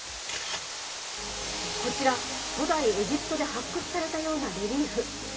こちら古代エジプトで発掘されたようなレリーフ。